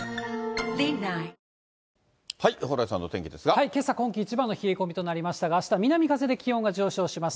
もう、けさ、今季一番の冷え込みとなりましたが、あした南風で気温が上昇します。